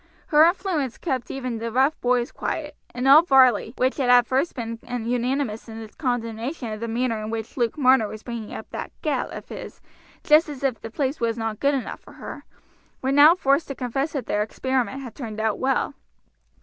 Her influence kept even the rough boys quiet; and all Varley, which had at first been unanimous in its condemnation of the manner in which Luke Marner was bringing up that "gal" of his, just as if the place was not good enough for her, were now forced to confess that the experiment had turned out well.